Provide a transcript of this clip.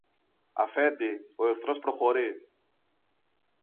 Αφέντη, ο εχθρός προχωρεί!